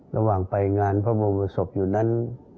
ระหว่างไปงานพระบรมศพอยู่นั้น